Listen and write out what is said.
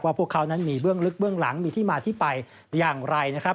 พวกเขานั้นมีเบื้องลึกเบื้องหลังมีที่มาที่ไปอย่างไรนะครับ